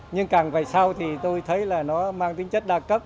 nhưng càng về sau thì tôi thấy là nó mang tính chất đa cấp